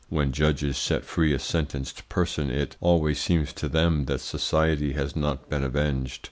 When judges set free a sentenced person it always seems to them that society has not been avenged.